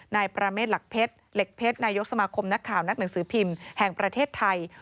นายประเมฆหลักเพชรเหล็กเพชรนายกสมาคมนักข่าวนักหนังสือพิมพ์แห่งประเทศไทย